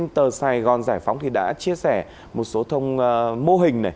tờ sài gòn giải phóng đã chia sẻ một số thông mô hình